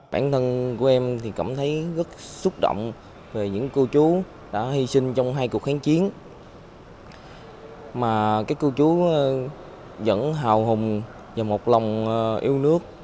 bản thân của em thì cảm thấy rất xúc động về những cô chú đã hy sinh trong hai cuộc kháng chiến mà các cô chú vẫn hào hùng và một lòng yêu nước